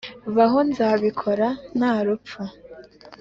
baho nzabikora. .. nta rupfu.